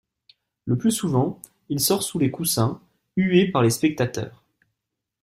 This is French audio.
Le plus souvent, il sort sous les coussins, hué par les spectateurs.